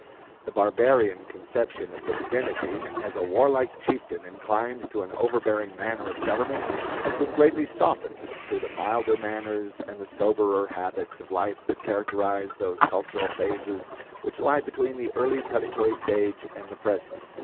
The barbarian conception of the divinity, as a warlike chieftain inclined to an overbearing manner of government, has been greatly softened through the milder manners and the soberer habits of life that characterize those cultural phases which lie between the early predatory stage and the present.